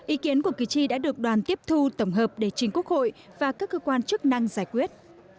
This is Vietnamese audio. ý kiến của cử tri đã được đoàn tiếp thu tổng hợp để chính quốc hội và các cơ quan chức năng giải quyết